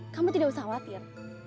kamu tidak usah khawatir